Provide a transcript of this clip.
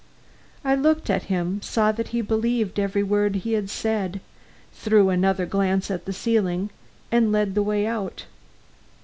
I looked at him, saw that he believed every word he said, threw another glance at the ceiling, and led the way out.